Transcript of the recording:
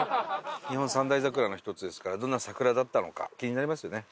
日本三大桜の１つですからどんな桜だったのか気になりますよね？